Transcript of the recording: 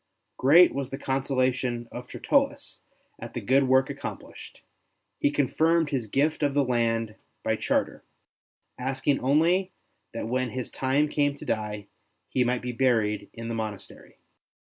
Great was the consolation of Tertullus at the good work accomplished; he confirmed his gift of the land by charter, asking only that when his time came to die, he might be buried in the monastery.